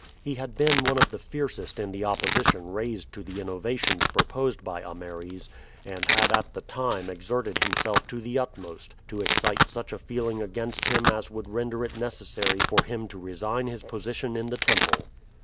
He had been one of the fiercest in the opposition raised to the innovations proposed by Ameres, and had at the time exerted himself to the utmost to excite such a feeling against him as would render it necessary for him to resign his position in the temple.